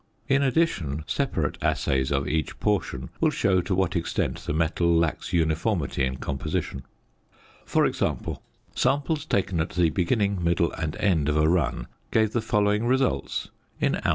In addition, separate assays of each portion will show to what extent the metal lacks uniformity in composition For example, samples taken at the beginning, middle, and end of a run gave the following results in ozs.